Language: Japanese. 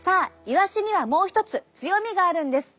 イワシにはもう一つ強みがあるんです。